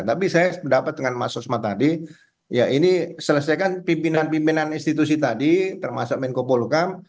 tapi saya pendapat dengan mas osma tadi ya ini selesaikan pimpinan pimpinan institusi tadi termasuk menko polukam